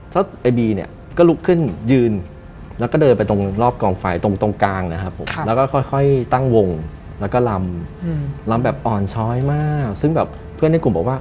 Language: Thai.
จุดเหนือก็ลุกขึ้นยืน